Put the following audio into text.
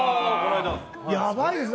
やばいですよ。